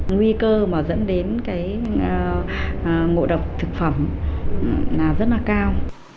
nguy cơ mà dẫn đến cái ngộ độc thực phẩm là rất là cao